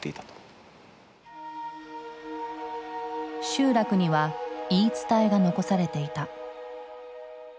集落には言い伝えが残されていた。